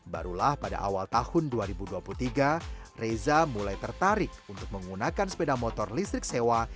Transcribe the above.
barulah pada awal tahun dua ribu dua puluh tiga reza mulai tertarik untuk menggunakan sepeda motor listrik sewa